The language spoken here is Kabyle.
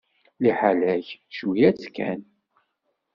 Liḥala-k, cwiya-tt kan.